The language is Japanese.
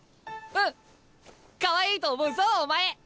うんかわいいと思うぞお前！